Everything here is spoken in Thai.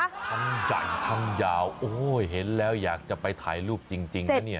ทั้งใหญ่ทั้งยาวโอ้โหเห็นแล้วอยากจะไปถ่ายรูปจริงนะเนี่ย